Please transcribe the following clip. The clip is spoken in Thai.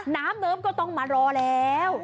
น้ำเนิ้มก็ต้องมารอแล้ว